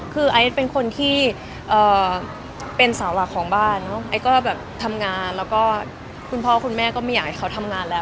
คือไอซ์เป็นคนที่เป็นสาวหลักของบ้านเนอะไอ้ก็แบบทำงานแล้วก็คุณพ่อคุณแม่ก็ไม่อยากให้เขาทำงานแล้ว